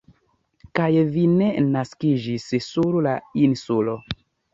Kaj vi ne naskiĝis sur la lnsulo?